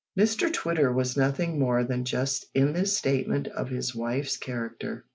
Mr Twitter was nothing more than just in this statement of his wife's character.